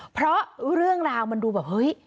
เพราะเรื่องราวมันดูแบบเฮ้ย